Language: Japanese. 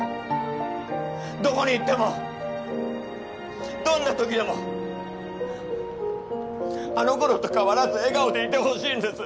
どこに行ってもどんなときでもあのころと変わらず笑顔でいてほしいんです。